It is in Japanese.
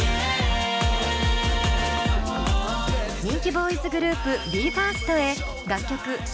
人気ボーイズグループＢＥ：ＦＩＲＳＴヘ楽曲